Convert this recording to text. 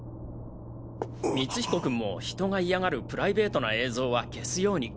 光彦君も人が嫌がるプライベートな映像は消すように。